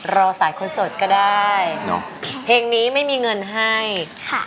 รอสายคนสดก็ได้เนอะเพลงนี้ไม่มีเงินให้ค่ะ